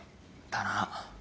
だな。